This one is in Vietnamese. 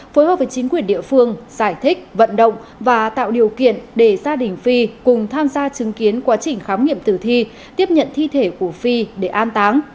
phối hợp với chính quyền địa phương giải thích vận động và tạo điều kiện để gia đình phi cùng tham gia chứng kiến quá trình khám nghiệm tử thi tiếp nhận thi thể của phi để an táng